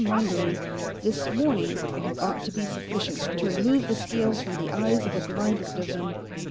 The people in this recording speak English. Mongery, this morning, ought to be sufficient to remove the scales from the eyes of the blindest of them.